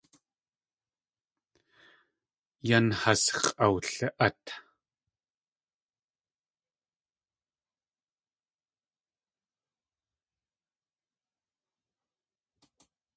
Yan has x̲ʼawli.át.